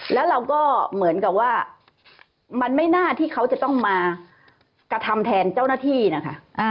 แล้วเราก็เหมือนกับว่ามันไม่น่าที่เขาจะต้องมากระทำแทนเจ้าหน้าที่นะคะ